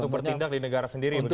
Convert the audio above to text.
untuk bertindak di negara sendiri